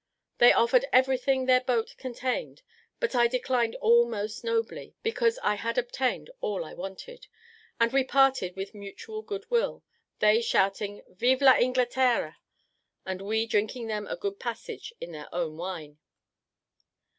They offered everything their boat contained; but I declined all most nobly, because I had obtained all I wanted; and we parted with mutual good will, they shouting, "Viva Ingleterre!" and we drinking them a good passage in their own wine.